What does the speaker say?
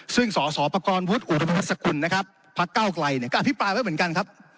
ซึ่งสศพวอสคพเก้าไกลก็อภิปราณไว้เหมือนกันครับ